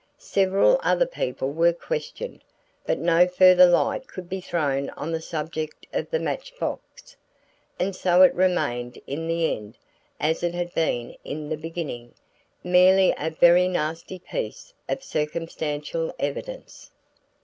Several other people were questioned, but no further light could be thrown on the subject of the match box; and so it remained in the end, as it had been in the beginning, merely a very nasty piece of circumstantial evidence.